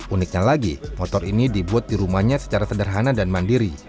uniknya lagi motor ini dibuat di rumahnya secara sederhana dan mandiri